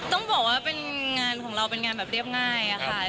ต้องบอกว่าเป็นงานของเราเป็นงานแบบเรียบง่ายค่ะ